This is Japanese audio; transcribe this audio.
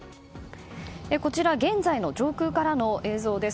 現在の上空からの映像です。